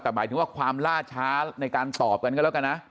แต่หมายถึงว่าความล่าช้าในการตอบกันก็แล้วกันนะ